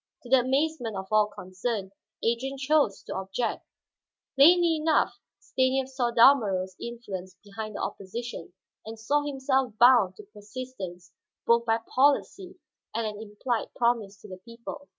To the amazement of all concerned, Adrian chose to object. Plainly enough Stanief saw Dalmorov's influence behind the opposition, and saw himself bound to persistence both by policy and an implied promise to the people.